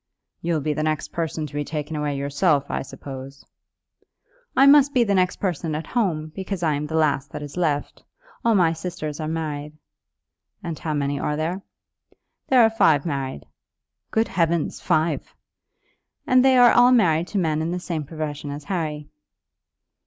"You'll be the next person to be taken away yourself, I suppose?" "I must be the next person at home, because I am the last that is left. All my sisters are married." "And how many are there?" "There are five married." "Good heavens five!" "And they are all married to men in the same profession as Harry."